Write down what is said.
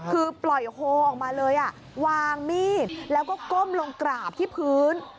คือปล่อยโฮออกมาเลยวางมีดแล้วก็ก้มลงกราบที่พื้น